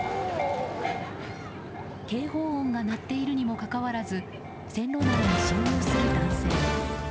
警報音が鳴っているにもかかわらず線路内に進入する男性。